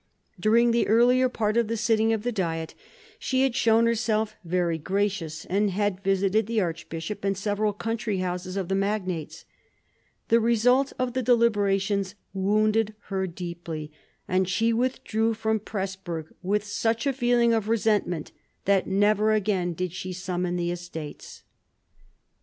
During the earlier part of the sitting of the Diet, she had shown herself very gracious, and had visited the archbishop and several country houses of the magnates. The result of the deliberations wounded her deeply, and she withdrew from Presburg with such a feeling of resentment that never again did she summon the Estates.